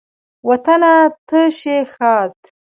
وطنه ته شي ښاد